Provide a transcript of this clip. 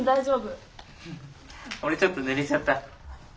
「俺ちょっとぬれちゃった」。